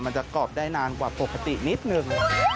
จะกรอบได้นานกว่าปกตินิดนึง